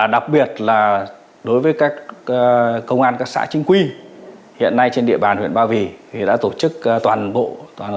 đặc biệt là đối với các công an các xã chính quy hiện nay trên địa bàn huyện ba vì đã tổ chức toàn bộ